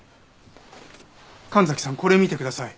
神崎さんこれ見てください。